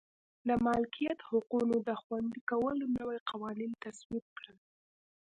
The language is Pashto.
د مالکیت حقونو د خوندي کولو نوي قوانین تصویب کړل.